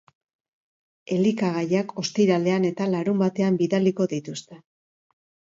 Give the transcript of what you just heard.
Elikagaiak ostiralean eta larunbatean bidaliko dituzte.